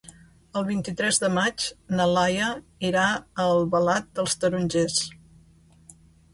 El vint-i-tres de maig na Laia irà a Albalat dels Tarongers.